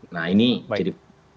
nah ini jadi